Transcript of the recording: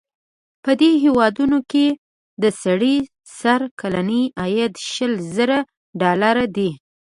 په دې هېوادونو کې د سړي سر کلنی عاید شل زره ډالره دی.